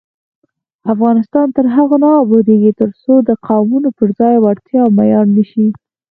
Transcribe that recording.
افغانستان تر هغو نه ابادیږي، ترڅو د قوم پر ځای وړتیا معیار نشي.